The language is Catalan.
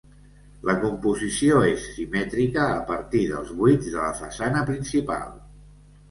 La composició és simètrica a partir dels buits de la façana principal.